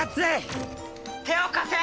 「手を貸せ！」